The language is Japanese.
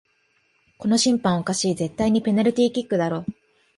この審判おかしい、絶対にペナルティーキックだろ